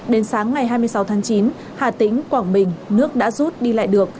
đến sáng ngày hai mươi sáu tháng chín hà tĩnh quảng bình nước đã rút đi lại được